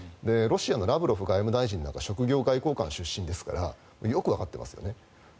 ロシアのラブロフ外相は職業外交官出身ですからよくわかってますよね。